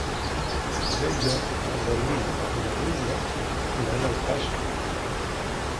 Diumenge en Garbí i na Dúnia iran a Alcàsser.